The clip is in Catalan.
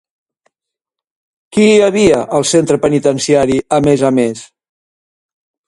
Qui hi havia al centre penitenciari a més a més?